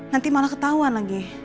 nanti malah ketahuan lagi